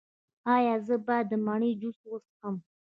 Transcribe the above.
ایا زه باید د مڼې جوس وڅښم؟